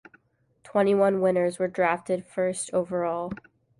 Twenty-one winners were drafted first overall.